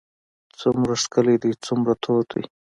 څومره ښکلی دی څومره تود دی.